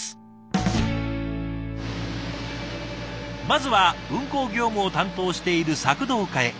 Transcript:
まずは運行業務を担当している索道課へ。